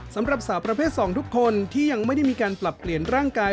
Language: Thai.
สำหรับสาวประเภท๒ทุกคนที่ยังไม่ได้มีการปรับเปลี่ยนร่างกาย